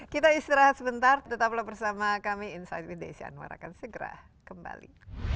kita istirahat sebentar tetaplah bersama kami insight with desi anwar akan segera kembali